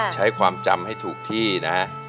ใช้ความจำให้ถูกที่นะฮะ